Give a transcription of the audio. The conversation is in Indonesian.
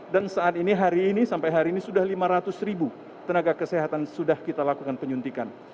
dan saat ini hari ini sampai hari ini sudah lima ratus ribu tenaga kesehatan sudah kita lakukan penyuntikan